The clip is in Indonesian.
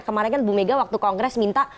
kemarin kan bu mega waktu kongres minta